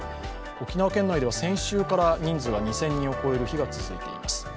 沖縄県内では先週から人数が２０００人を超える日が続いています。